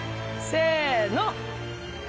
せの。